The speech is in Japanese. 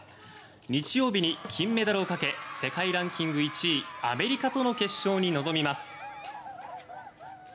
日曜日に金メダルをかけ世界ランキング１位アメリカとの決勝に臨みます。